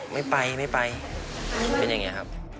ไม่ไปไม่ไปเป็นอย่างนี้ครับ